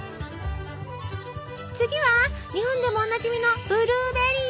次は日本でもおなじみのブルーベリー。